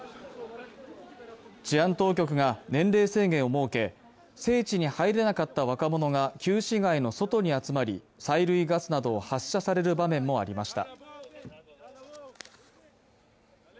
治安当局が年齢制限を設け、聖地に入れなかった若者が旧市街の外に集まり、催涙ガスなどを発射される場面もありました。